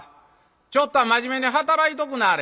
ちょっとは真面目に働いとくなはれ」。